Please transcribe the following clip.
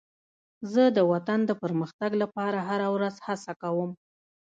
زه د وطن د پرمختګ لپاره هره ورځ هڅه کوم.